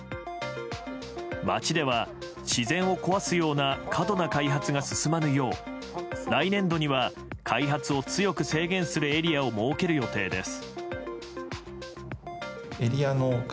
町では自然を壊すような過度な開発が進まぬよう来年度には開発を強く制限するエリアを設ける予定です。